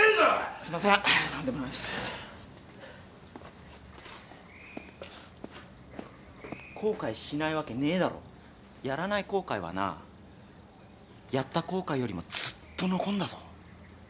すいません何でもないです後悔しないわけねぇだろやらない後悔はなやった後悔よりもずっと残んだぞはい？